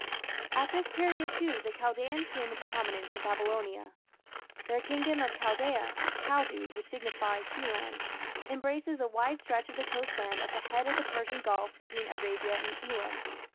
At this period, too, the Chaldaeans came into prominence in Babylonia. Their kingdom of Chaldaea (Kaldu, which signifies Sealand) embraces a wide stretch of the coast land at the head of the Persian Gulf between Arabia and Elam.